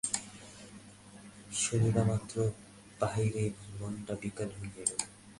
শুনিবামাত্র বিহারীর মনটা বিকল হইয়া গেল।